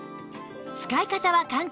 使い方は簡単。